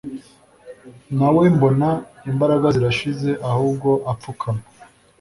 nawe mbona imbaraga zirashize ahubwo apfukama